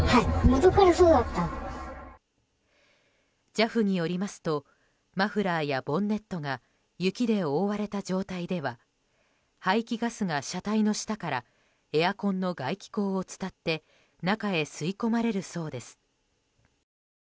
ＪＡＦによりますとマフラーやボンネットが雪で覆われた状態では排気ガスが車体の下からエアコンの外気口を伝って中へ吸い込まれるそうです。